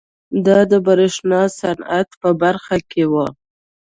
دا د برېښنا صنعت په برخه کې وه.